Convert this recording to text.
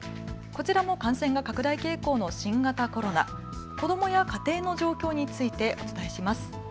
こちらも感染が拡大傾向の新型コロナ、子どもや家庭の状況についてお伝えします。